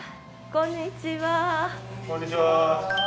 こんにちは。